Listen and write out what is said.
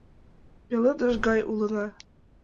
Пеледыш гай улына.